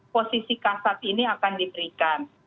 posisi kasat ini akan diberikan